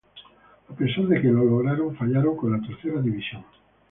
A pesar de que lo lograron, fallaron con la tercera división.